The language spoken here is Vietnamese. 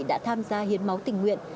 đã tham gia hiến máu tình nguyện